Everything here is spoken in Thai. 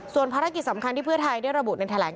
ส่วนภารกิจสำคัญที่เพื่อไทยได้ระบุในแถลง